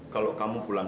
kalau kamu pulang